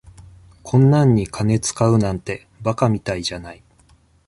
こんなんに金使うなんて馬鹿みたいじゃない。